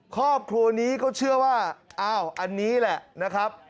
ครอบครัวนี้เขาเชื่อว่าอ้าวอันนี้แหละนะครับ